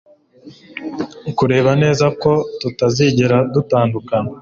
kureba neza ko tutazigera dutandukana